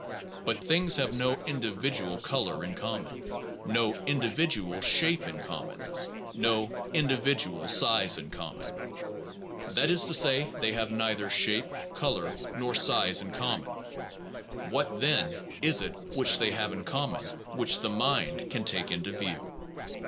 But things have no indi vidual colour in common, no individual shape in common; no individual size in common; that is to say, they have neither shape, colour, nor size in common. What, then, is it which they have in common which the mind can take into view?